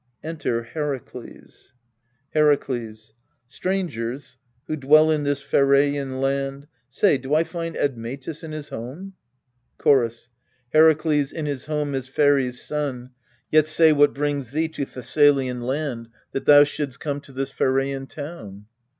Enter HEKAKLES Herakles. Strangers, who dwell in this Pheraian land, Say, do I find Admetus in his home? Chorus, Herakles, in his home is Pheres' son. Yet say, what brings thee to Thessalian land, ALCESTIS 215 That thou shouldst come to this Pheraian town?